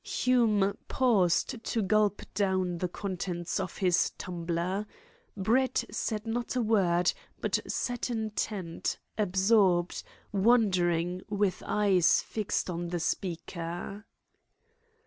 Hume paused to gulp down the contents of his tumbler. Brett said not a word, but sat intent, absorbed, wondering, with eyes fixed on the speaker.